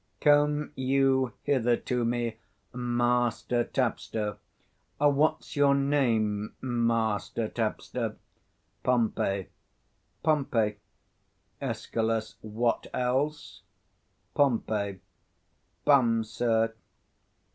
_] Come you hither to me, Master tapster. What's your name, Master tapster? 200 Pom. Pompey. Escal. What else? Pom. Bum, sir.